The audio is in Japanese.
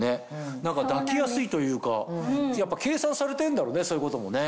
抱きやすいというかやっぱ計算されてんだろうねそういうこともね。